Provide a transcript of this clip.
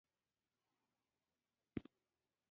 لمریز ځواک د ټولو افغان ښځو په ژوند کې یو ډېر مهم رول لري.